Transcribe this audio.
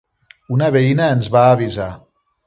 Una veïna ens va avisar.